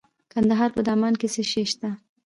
د کندهار په دامان کې څه شی شته؟